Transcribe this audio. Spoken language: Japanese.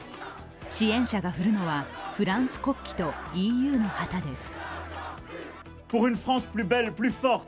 支援者が振るのはフランス国旗とＥＵの旗です。